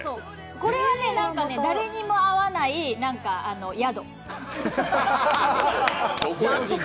これは誰にも会わない宿。